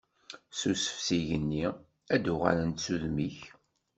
Susef s igenni, ad d-uɣalent s udem-ik.